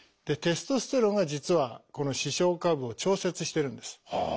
テストステロンが実はこの視床下部を調節してるんです。